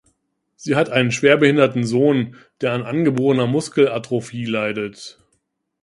Sie hat einen schwerbehinderten Sohn, der an angeborener Muskelatrophie leidet.